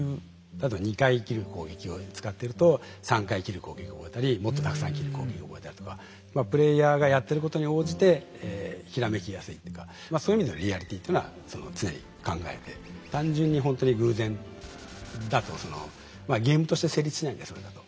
例えば２回斬る攻撃を使ってると３回斬る攻撃を覚えたりもっとたくさん斬る攻撃を覚えたりとかプレイヤーがやってることに応じて閃きやすいとかまあそういう意味でのリアリティっていうのは常に考えて単純にほんとに偶然だとゲームとして成立しないんでそれだと。